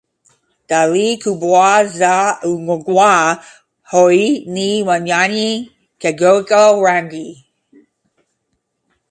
Dalili kubwa za ugonjwa huu ni majani kugeuka rangi